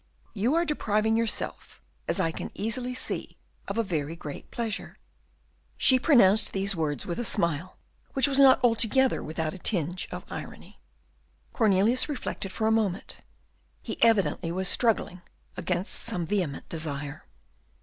you are depriving yourself, as I can easily see, of a very great pleasure." She pronounced these words with a smile, which was not altogether without a tinge of irony. Cornelius reflected for a moment; he evidently was struggling against some vehement desire.